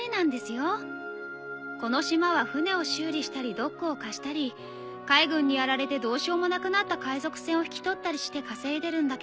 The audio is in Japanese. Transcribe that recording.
この島は船を修理したりドックを貸したり海軍にやられてどうしようもなくなった海賊船を引き取ったりして稼いでるんだけど。